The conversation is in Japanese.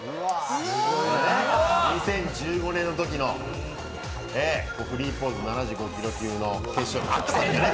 ２０１５年のときのフリーポーズ７５ｋｇ級の。